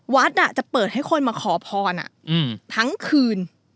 วัดจะเปิดให้คนมาขอพรทั้งคืน